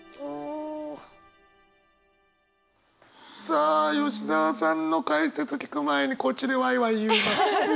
さあ吉澤さんの解説聞く前にこっちでわいわい言います。